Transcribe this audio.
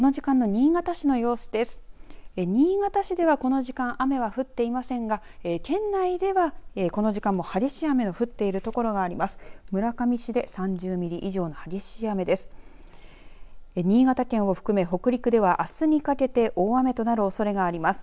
新潟市ではこの時間、雨は降っていませんが県内では、この時間も激しい雨の降っている所があります。